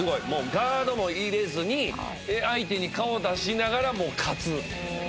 ガードも入れずに相手に顔出しながらも勝つ。